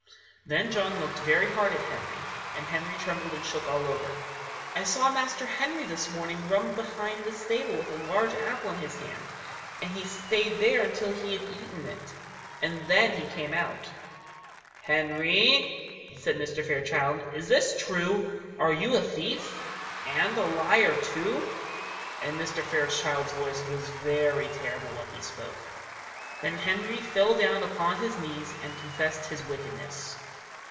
Then John looked very hard at Henry, and Henry trembled and shook all over. "I saw Master Henry this morning run behind the stable with a large apple in his hand, and he stayed there till he had eaten it, and then he came out." "Henry," said Mr. Fairchild, "is this true? Are you a thief and a liar, too?" And Mr. Fairchild's voice was very terrible when he spoke. Then Henry fell down upon his knees and confessed his wickedness.